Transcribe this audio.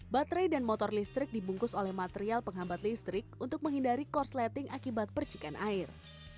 baterai dan motor listrik dibungkus oleh material penghambat listrik untuk menghindari korsleting akibat percikan air